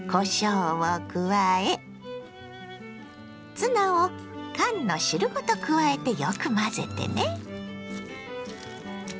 ツナを缶の汁ごと加えてよく混ぜてね。